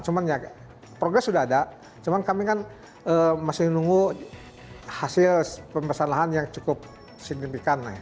cuman progres sudah ada cuman kami kan masih menunggu hasil pembebasan lahan yang cukup signifikan